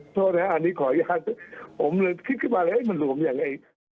โทษนะครับขออนุญาตนี้ผมเลยคิดขึ้นมาเลยว่าจะหลวมยังไง